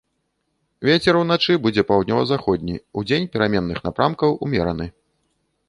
Вецер уначы будзе паўднёва-заходні, удзень пераменных напрамкаў ўмераны.